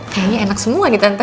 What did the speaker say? kayaknya enak semua nih tante